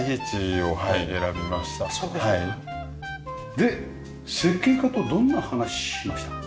で設計家とどんな話しました？